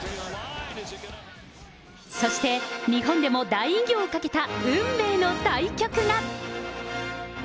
そして、日本でも大偉業をかけた運命の対局が。